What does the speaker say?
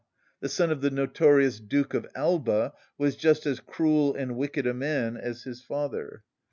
The son of the notorious Duke of Alba was just as cruel and wicked a man as his father.